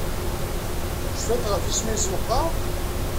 Cfant ɣef yisem-nnes meqqar?